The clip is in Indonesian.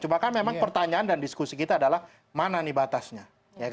cuma kan memang pertanyaan dan diskusi kita adalah mana nih batasnya